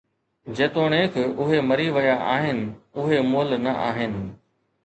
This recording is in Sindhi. جيتوڻيڪ اهي مري ويا آهن، اهي مئل نه آهن